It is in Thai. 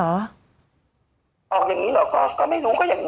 ออกแบบนี้หรอก็ไม่รู้ก็อย่างนึงก็ต้องได้เงินเดี๋ยวมั้ง